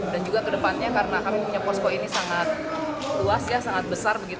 dan juga ke depannya karena kami punya posko ini sangat luas sangat besar